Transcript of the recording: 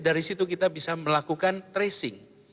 dari situ kita bisa melakukan tracing